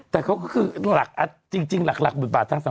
แต่เขาก็คือหลักจริงหลักหมุนบาททั้งสาม